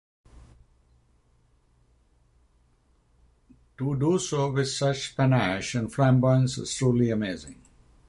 To do so with such panache and flamboyance is truly amazing.